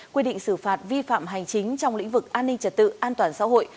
quy định xử phạt vi phạm hành chính trong lĩnh vực an ninh trật tự an toàn xã hội